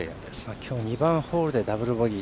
きょう２番ホールでダブルボギー。